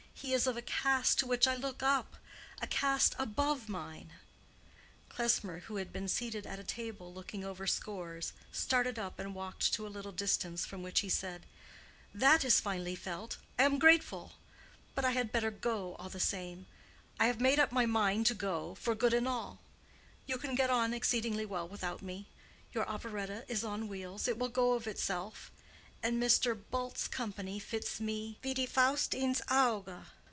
"He is of a caste to which I look up—a caste above mine." Klesmer, who had been seated at a table looking over scores, started up and walked to a little distance, from which he said, "That is finely felt—I am grateful. But I had better go, all the same. I have made up my mind to go, for good and all. You can get on exceedingly well without me: your operetta is on wheels—it will go of itself. And your Mr. Bull's company fits me 'wie die Faust ins Auge.